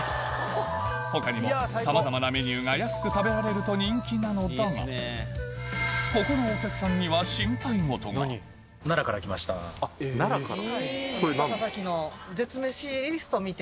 他にもさまざまなメニューが安く食べられると人気なのだがここのあっ奈良から。